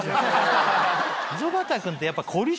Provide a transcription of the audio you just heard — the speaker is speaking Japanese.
溝端君ってやっぱ。